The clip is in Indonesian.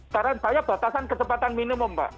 saran saya batasan kecepatan minimum pak